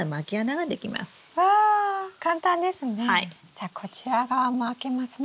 じゃあこちら側も開けますね。